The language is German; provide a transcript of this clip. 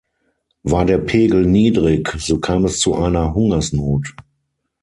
War der Pegel niedrig, so kam es zu einer Hungersnot.